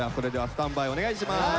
スタンバイお願いします。